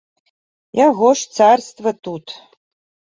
Яго ж царства тут!